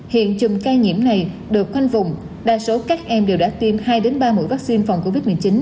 hiện chùm ca nhiễm này được khoanh vùng đa số các em đều đã tiêm hai ba mũi vaccine phòng covid một mươi chín